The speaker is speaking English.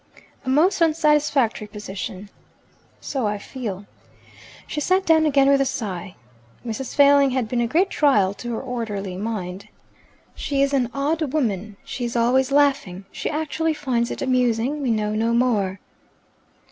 "A most unsatisfactory position." "So I feel." She sat down again with a sigh. Mrs. Failing had been a great trial to her orderly mind. "She is an odd woman. She is always laughing. She actually finds it amusing that we know no more."